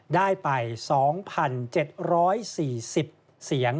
ได้ไป๒๗๔๐เสียง